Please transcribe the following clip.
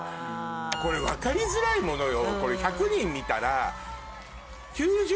これ分かりづらいものよ。